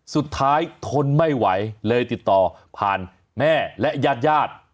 สุดท้ายทนไม่ไหวเลยติดต่อผ่านแม่และญาติยาด